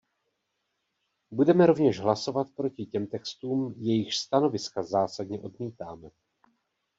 Budeme rovněž hlasovat proti těm textům, jejichž stanoviska zásadně odmítáme.